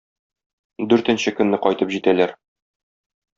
Дүртенче көнне кайтып җитәләр.